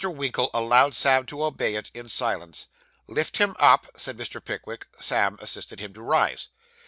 Winkle allowed Sam to obey it, in silence. 'Lift him up,' said Mr. Pickwick. Sam assisted him to rise.